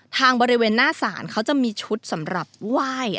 บริเวณหน้าศาลเขาจะมีชุดสำหรับไหว้